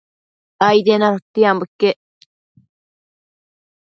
Aidien adotiambo iquec